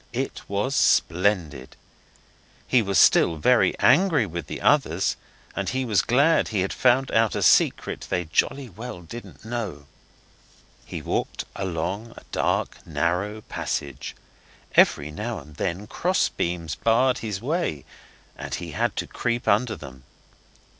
It was splendid. He was still very angry with the others and he was glad he had found out a secret they jolly well didn't know. He walked along a dark, narrow passage. Every now and then cross beams barred his way, and he had to creep under them.